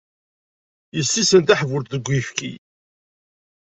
Yessisen taḥbult deg uyefki.